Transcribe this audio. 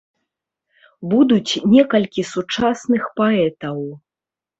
Будуць некалькі сучасных паэтаў.